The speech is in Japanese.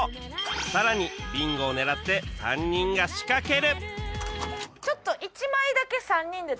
さらにビンゴを狙って３人が仕掛ける！